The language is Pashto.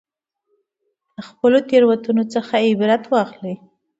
د خپلو تېروتنو څخه عبرت واخلئ.